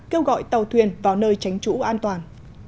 kêu gọi tàu thuyền vào nơi tránh trú an toàn